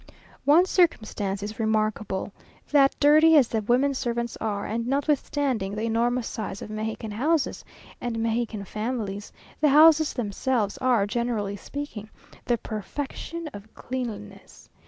One circumstance is remarkable; that, dirty as the women servants are, and notwithstanding the enormous size of Mexican houses, and Mexican families, the houses themselves are, generally speaking, the perfection of cleanliness.